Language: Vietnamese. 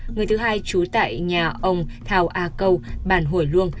người thứ hai trú tại nhà ông thào a câu bản hổi luông